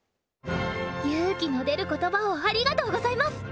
勇気の出る言葉をありがとうございます！